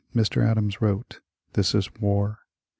Mr. Adams wrote, ^^This is war."